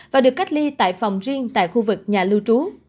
và được cách ly tại phòng riêng tại khu vực nhà lưu trú